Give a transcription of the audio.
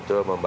ini untuk apa